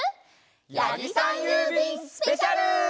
やぎさんゆうびんスペシャル！